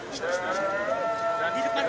di depan di depan